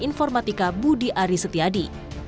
dan informatika budi ari setiadi